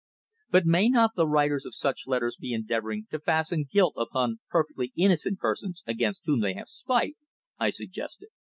"But may not the writers of such letters be endeavouring to fasten guilt upon perfectly innocent persons against whom they have spite?" I suggested.